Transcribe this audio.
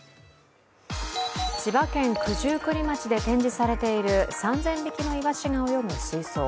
千葉県九十九里町で展示されている３０００匹のいわしが泳ぐ水槽。